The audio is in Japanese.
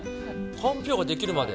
かんぴょうができるまで。